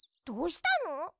どうしたの？